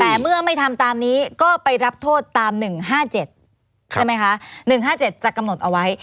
แต่เมื่อไม่ทำตามนี้ก็ไปรับโทษตามหนึ่งห้าเจ็ดใช่ไหมคะหนึ่งห้าเจ็ดจะกำหนดเอาไว้